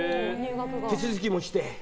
手続きもして。